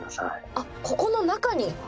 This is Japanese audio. あっここの中に。